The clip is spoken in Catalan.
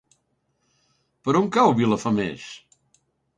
Per on cau Vilafamés?